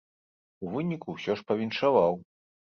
У выніку ўсё ж павіншаваў.